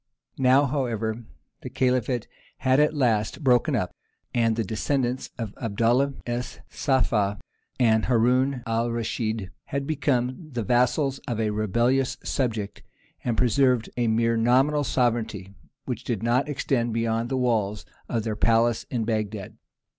Now, however, the Caliphate had at last broken up, and the descendants of Abdallah es Saffah and Haroun al Raschid had become the vassals of a rebellious subject, and preserved a mere nominal sovereignty which did not extend beyond the walls of their palace in Bagdad.